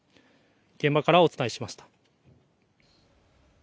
現場からお伝えしました。